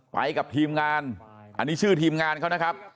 ไปกับทีมงานอันนี้ชื่อทีมงานเขานะครับ